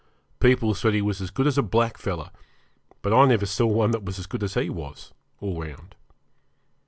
People said he was as good as a blackfellow, but I never saw one that was as good as he was, all round.